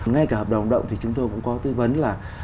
ngay cả hợp đồng lao động thì chúng tôi cũng có tư vấn là